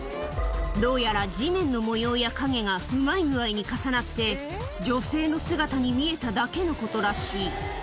どうやら地面の模様や影がうまい具合に重なって、女性の姿に見えただけのことらしい。